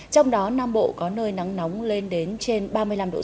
trong đó nam bộ có nơi nắng nóng lên đến trên ba mươi năm độ c